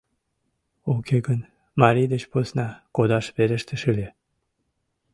— Уке гын марий деч посна кодаш верештеш ыле.